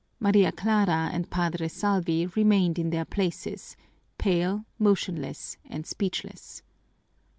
Maria Clara and Padre Salvi remained in their places, pale, motionless, and speechless.